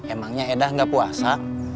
emangnya edah gak puasa